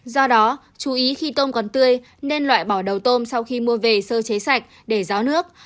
do đó chú ý khi tôm còn tươi nên loại bỏ đầu tôm sau khi mua về sơ chế sạch để ráo nước